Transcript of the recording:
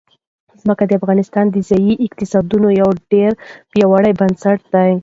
ځمکه د افغانستان د ځایي اقتصادونو یو ډېر پیاوړی بنسټ دی.